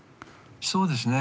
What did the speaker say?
そうですね。